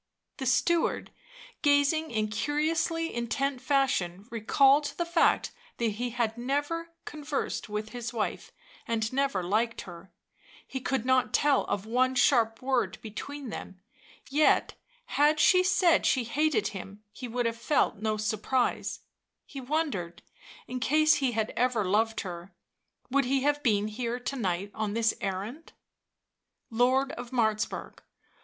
The steward gazing in curiously intent fashion recalled the fact that he had never conversed with his wife and never liked her ; he could not tell of one sharp word between them, yet had she said she hated him he would have felt no surprise ; he wondered, in case he had ever loved her, would he have been here to night on this errand. Lord of Martzburg